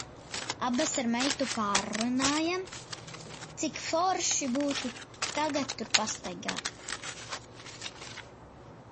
Abas ar meitu pārrunājām, cik forši būtu tagad tur pastaigāt.